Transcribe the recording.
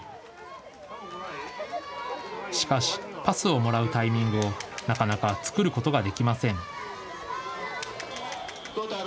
しかしパスをもらうタイミングをなかなか作ることができません。